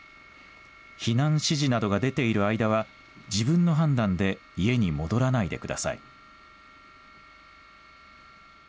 避難指示などが出ている間は自分の判断で家に戻らないでください。